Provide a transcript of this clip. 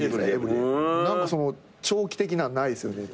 何か長期的なのないですよね。